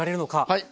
はい。